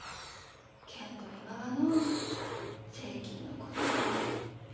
けんど今はのう税金のことより。